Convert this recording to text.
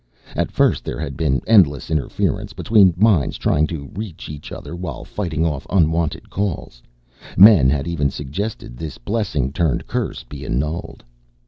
At first there had been endless interference between minds trying to reach each other while fighting off unwanted calls. Men had even suggested this blessing turned curse be annulled.